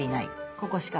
ここしか。